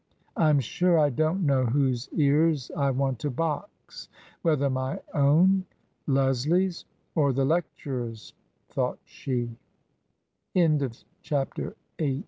" I'm sure I don't know whose ears I want to box — whether my own, Leslie's, or the lecturer's," thought she. CHAPTER IX.